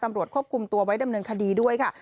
ตำรวจควบคุมตัวไว้ดำเนินคดีด้วยค่ะ